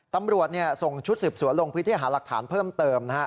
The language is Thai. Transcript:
ตำรวจส่งชุดสืบสวนลงพื้นที่หาหลักฐานเพิ่มเติมนะฮะ